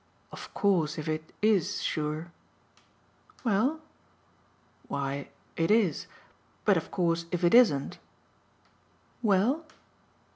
"Of course if it IS sure " "Well?" "Why, it is. But of course if it isn't " "Well?"